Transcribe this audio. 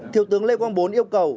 thiếu tướng lê quang bốn yêu cầu